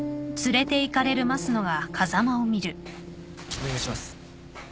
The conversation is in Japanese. お願いします。